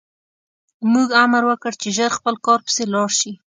موږ امر وکړ چې ژر خپل کار پسې لاړ شي